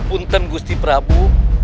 apunten gusti prabu